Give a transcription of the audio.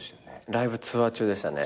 ライブツアー中でしたね。